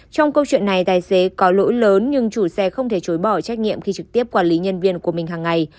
trong câu chuyện này tài xế có lỗi lớn nhưng chủ xe không thể chối bỏ trách nhiệm khi trực tiếp quản lý nhân viên của mình hàng ngày